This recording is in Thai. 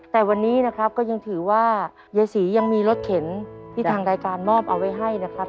แต่วันนี้นะครับก็ยังถือว่ายายศรียังมีรถเข็นที่ทางรายการมอบเอาไว้ให้นะครับ